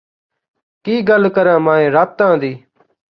ਕੀ ਗੱਲ ਕਰਾਂ ਮੈਂ ਰਾਤਾਂ ਦੀ